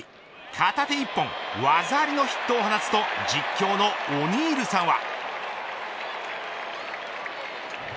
片手一本技ありのヒットを放つと実況のオニールさんは。